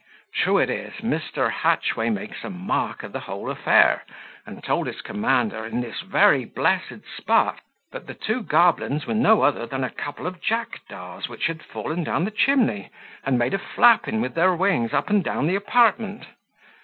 True it is, Mr. Hatchway makes a mock of the whole affair; and told his commander, in this very blessed spot, that the two goblins were no other than a couple of jackdaws which had fallen down the chimney, and made a flapping with their wings up and down the apartment.